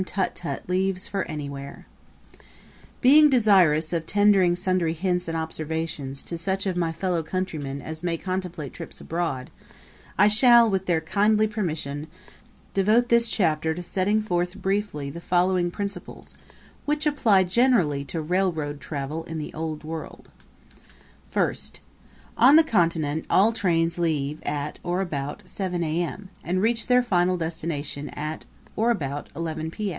Tut tut leaves for Anywhere Being desirous of tendering sundry hints and observations to such of my fellow countrymen as may contemplate trips abroad I shall, with their kindly permission, devote this chapter to setting forth briefly the following principles, which apply generally to railroad travel in the Old World. First On the Continent all trains leave at or about seven A.M. and reach their destination at or about eleven P.